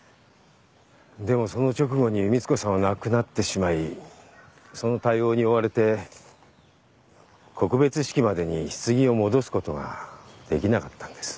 でもその直後に光子さんは亡くなってしまいその対応に追われて告別式までに棺を戻すことができなかったんです。